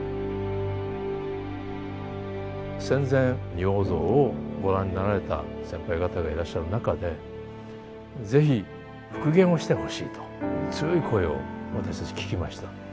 戦前仁王像をご覧になられた先輩方がいらっしゃる中で是非復元をしてほしいと強い声を私たち聞きました。